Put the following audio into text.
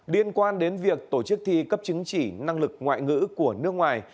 liên quan đến việc tổ chức thi cấp chứng chỉ năng lực ngoại ngữ của nước ngoài